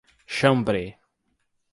Xambrê